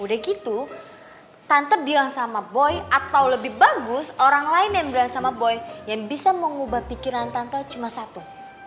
udah gitu tante bilang sama boy atau lebih bagus orang lain yang bilang sama boy yang bisa mengubah pikiran tante cuma satu